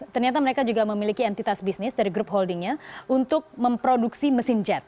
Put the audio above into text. ternyata mereka juga memiliki entitas bisnis dari grup holdingnya untuk memproduksi mesin jet